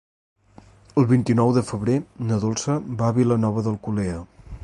El vint-i-nou de febrer na Dolça va a Vilanova d'Alcolea.